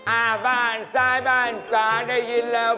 อ่าบ้านซ้ายบ้านขวาได้ยินแล้ว